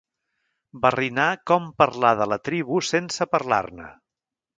Barrinar com parlar de la tribu sense parlar-ne.